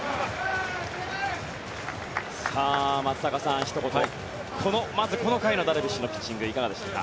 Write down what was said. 松坂さん、ひと言この回のダルビッシュのピッチングいかがでしたか？